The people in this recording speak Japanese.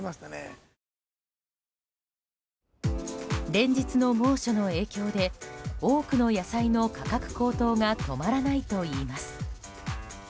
連日の猛暑の影響で多くの野菜の価格高騰が止まらないといいます。